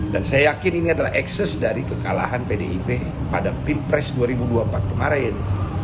dan saya yakin ini adalah ekses dari kekalahan pdip pada pilpres dua ribu dua puluh empat kemarin